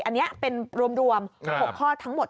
อันนี้เป็นรวม๖ข้อทั้งหมด